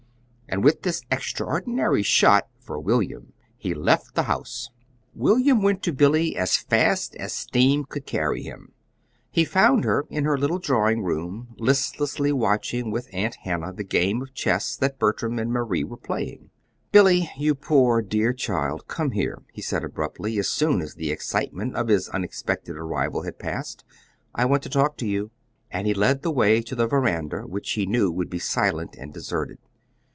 And with this extraordinary shot for William he left the house. William went to Billy as fast as steam could carry him. He found her in her little drawing room listlessly watching with Aunt Hannah the game of chess that Bertram and Marie were playing. "Billy, you poor, dear child, come here," he said abruptly, as soon as the excitement of his unexpected arrival had passed. "I want to talk to you." And he led the way to the veranda which he knew would be silent and deserted.